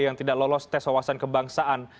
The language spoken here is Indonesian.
yang tidak lolos tes wawasan kebangsaan